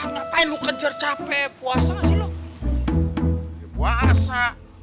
ngapain lu kejar capek puasa sih lu puasa